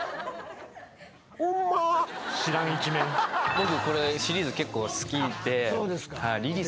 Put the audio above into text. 僕これシリーズ結構好きで。